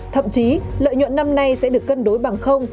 thậm chí lợi nhuận năm nay sẽ được cân đối bằng không